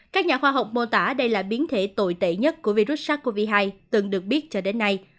các nhà khoa học mô tả đây là biến thể tồi tệ nhất của virus sars cov hai từng được biết cho đến nay